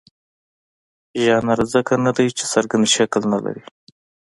ژانر ځکه نه دی چې څرګند شکل نه لري.